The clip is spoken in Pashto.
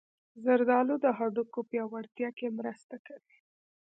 زردالو د هډوکو پیاوړتیا کې مرسته کوي.